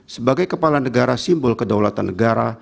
sebagai kepala negara simbol kedaulatan negara